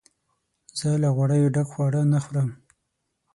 زه له غوړیو ډک خواړه نه خورم.